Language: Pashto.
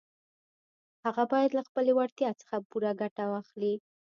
هغه بايد له خپلې وړتيا څخه پوره ګټه واخلي.